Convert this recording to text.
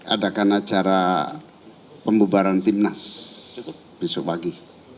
besok akan diadakan acara pembubaran timnas besok pagi